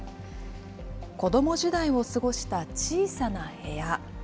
子ども時代を過ごした小さな部屋。